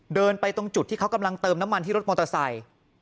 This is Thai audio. เดินไปตรงจุดที่เขากำลังเติมน้ำมันที่รถมอเตอร์ไซค์